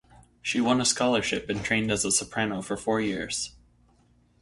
She won a scholarship and trained as a soprano for four years.